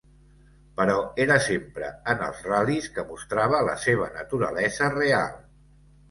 Però era sempre en els ral·lis que mostrava la seva naturalesa real.